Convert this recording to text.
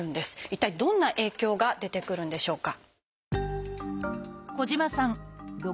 一体どんな影響が出てくるんでしょうか。